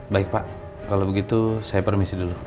baik pak kalau begitu saya permisi dulu